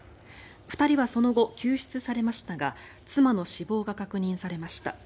２人はその後、救出されましたが妻の死亡が確認されました。